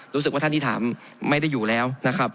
รู้สึกว่าท่านที่ถามไม่ได้อยู่แล้วนะครับ